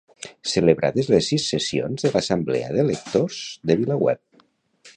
Celebrades les sis sessions de l'Assemblea de Lectors de VilaWeb.